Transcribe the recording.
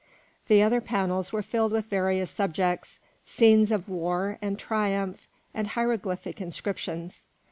The other panels were filled with various subjects, scenes of war and triumph and hieroglyphic inscriptions.